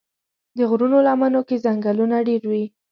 د غرونو لمنو کې ځنګلونه ډېر وي.